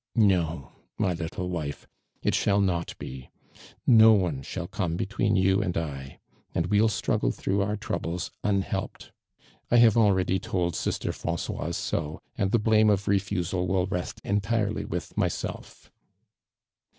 "No, my httle wife. It shall not be. ■So one shall come between you and I ; and we'll struggle through our troubles unhelped. I have already told sister Fran coise HO, and the blame of refusal will rout entirely with myself."